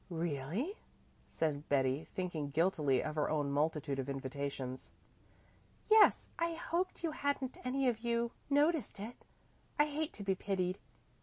"Really?" said Betty, thinking guiltily of her own multitude of invitations. "Yes, I hoped you hadn't any of you noticed it. I hate to be pitied.